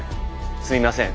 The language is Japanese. すみません。